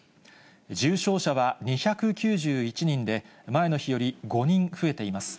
重症者は２９１人で、前の日より５人増えています。